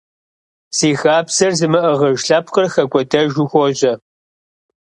Зи хабзэр зымыӀыгъыж лъэпкъыр хэкӀуэдэжу хуожьэ.